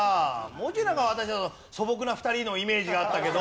もうちょいなんか素朴な２人のイメージがあったけど。